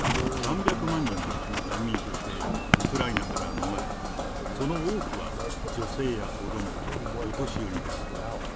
３００万人が難民としてウクライナから逃れ、その多くは女性や子ども、お年寄りです。